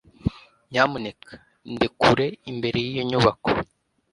nyamuneka ndekure imbere y'iyo nyubako